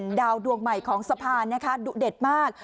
ดาวดวงใหม่ของสะพานนะคะดุเด็ดมาก